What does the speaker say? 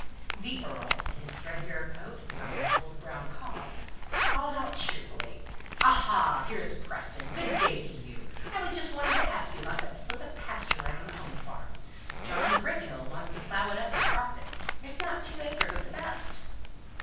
The earl, in his thread bare coat, and on his old brown cob, called out cheerfully, "Aha! here's Preston. Good day to you. I was just wanting to ask you about that slip of pasture land on the Home Farm. John Brickkill wants to plough it up and crop it. It's not two acres at the best."